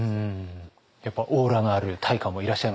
やっぱオーラのある大家もいらっしゃいますか？